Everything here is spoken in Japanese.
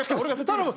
頼む！